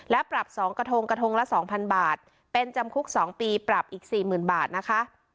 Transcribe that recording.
และปรับสองกระทงกระทงละสองพันบาทเป็นจำคุกสองปีปรับอีกสี่หมื่นบาทนะคะ